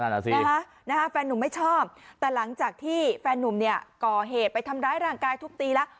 อ่ะสินะฮะแฟนหนุ่มไม่ชอบแต่หลังจากที่แฟนนุ่มเนี่ยก่อเหตุไปทำร้ายร่างกายทุบตีแล้ว